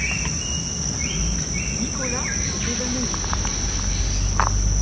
Nicolas s’est évanoui.